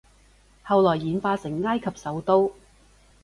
後來演化成埃及首都